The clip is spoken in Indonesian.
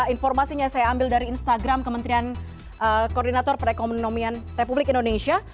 informasinya saya ambil dari instagram kementerian koordinator perekonomian republik indonesia